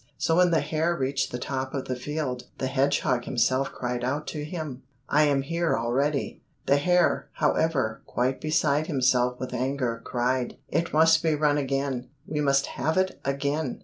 So when the hare reached the top of the field, the hedgehog himself cried out to him, "I am here already." The hare, however, quite beside himself with anger, cried, "It must be run again, we must have it again."